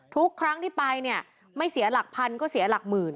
ทุกครั้งที่ไปเนี่ยไม่เสียหลักพันก็เสียหลักหมื่น